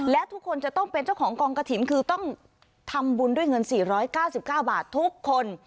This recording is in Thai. และทุกคนจะต้องเป็นเจ้าของกองกระถิ่นคือต้องทำบุญด้วยเงินสี่ร้อยเก้าสิบเก้าบาททุกคน